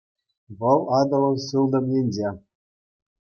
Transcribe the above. Вӑл Атӑлӑн сылтӑм енче.